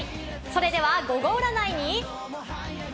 それではゴゴ占いに。